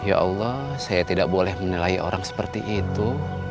ya allah saya tidak boleh menilai orang seperti itu